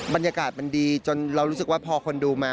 บรรยากาศมันดีจนเรารู้สึกว่าพอคนดูมา